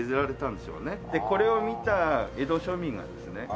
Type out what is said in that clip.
これを見た江戸庶民がですね